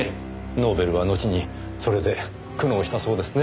ノーベルはのちにそれで苦悩したそうですね。